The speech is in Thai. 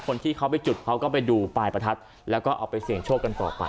คนที่เขาไปจุดเขาก็ไปดูปลายประทัดแล้วก็เอาไปเสี่ยงโชคกันต่อไป